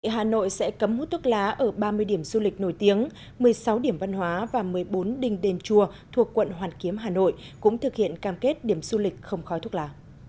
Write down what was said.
hà nội sẽ cấm hút thuốc lá ở ba mươi điểm du lịch nổi tiếng một mươi sáu điểm văn hóa và một mươi bốn đình đền chùa thuộc quận hoàn kiếm hà nội cũng thực hiện cam kết điểm du lịch không khói thuốc lá